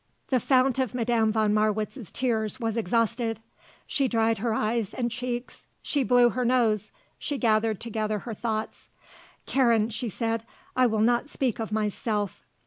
The fount of Madame von Marwitz's tears was exhausted. She dried her eyes and cheeks. She blew her nose. She gathered together her thoughts. "Karen," she said, "I will not speak of myself.